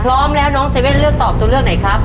พร้อมแล้วน้องเซเว่นเลือกตอบตัวเลือกไหนครับ